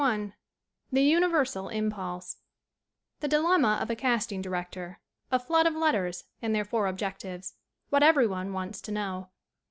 XIV CHAPTER I The dilemma of a casting director A Hood of letters and their four objectives What every one wants to know.